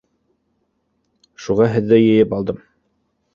— Шуға һеҙҙе йыйып алдым.